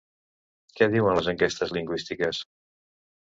Què diuen les enquestes lingüístiques?